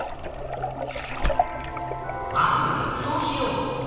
まずは予想しよう。